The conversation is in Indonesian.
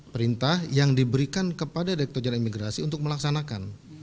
perintah yang diberikan kepada direktur jalan imigrasi untuk melaksanakan